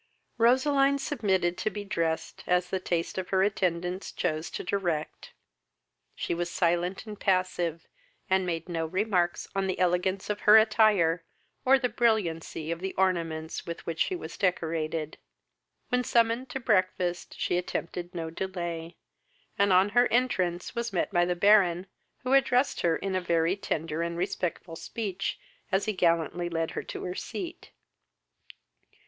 Roseline submitted to be dressed as the taste of her attendants chose to direct. She was silent and passive, and made no remarks on the elegance of her attire, or the brilliancy of the ornaments with which she was decorated. When summoned to breakfast she attempted no delay, and on her entrance was met by the Baron, who addressed her in a very tender and respectful speech, as he gallantly led her to her seat.